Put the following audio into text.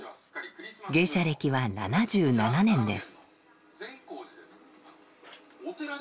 芸者歴は７７年です。